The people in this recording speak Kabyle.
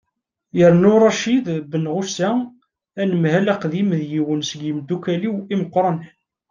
yernu racid benɣusa anemhal aqdim d yiwen seg yimeddukkal-iw imeqqranen